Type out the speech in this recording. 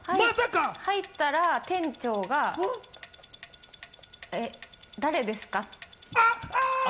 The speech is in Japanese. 入ったら店長が誰ですか？